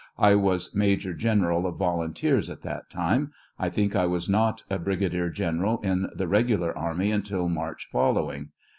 I was Major General of volunteers at that time ; I think I was not a Brigadier General in the regular army until March following.